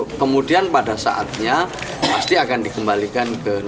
kemudian pada saatnya pasti akan dikembalikan